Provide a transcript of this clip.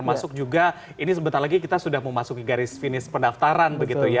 masuk juga ini sebentar lagi kita sudah memasuki garis finish pendaftaran begitu ya